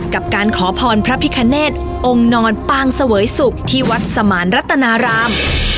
กับการขอพรพระพิคเนธองค์นอนปางเสวยสุขที่วัดสมานรัตนาราม